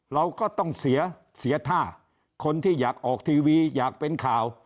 เราก็ต้องเสียเสียท่าคนที่อยากออกทีวีอยากเป็นข่าว